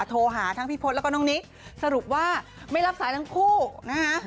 โทรหาทั้งพี่พศแล้วก็น้องนิกสรุปว่าไม่รับสายทั้งคู่นะฮะ